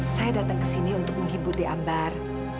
saya datang kesini untuk menghibur d'ambar